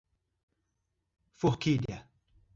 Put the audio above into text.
Forquilha